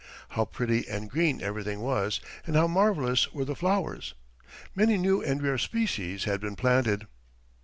How pretty and green everything was, and how marvelous were the flowers! Many new and rare species had been planted.